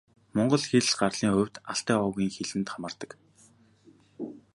Монгол хэл гарлын хувьд Алтай овгийн хэлэнд хамаардаг.